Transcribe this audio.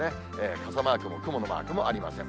傘マークも雲のマークもありません。